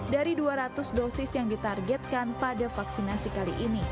dari dua ratus dosis yang ditargetkan pada vaksinasi kali ini